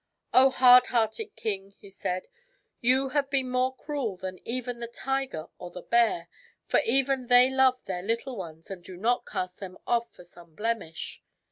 " O hard hearted king," he said, " you have been more cruel than even the tiger or the bear; for even they love their little ones and do not cast them off for some blemish.